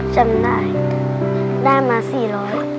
จำได้ได้มาสี่ร้อย